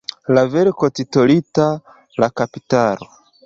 La verko, titolita "La kapitalo.